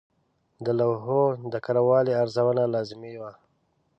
د لوحو د کره والي ارزونه لازمي وه.